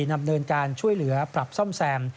ดำเนินการช่วยเหลือปรับซ่อมแซม